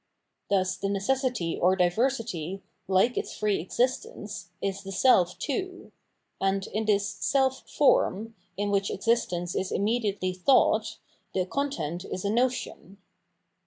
Thus the necessity or diversity, hke its free existence, is the self too ; and in this self form, in which existence is immediately thought, the content is a notion.